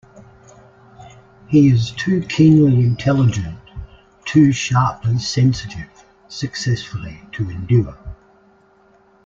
He is too keenly intelligent, too sharply sensitive, successfully to endure.